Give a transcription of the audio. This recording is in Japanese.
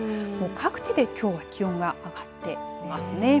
各地できょうは気温が上がっていますね。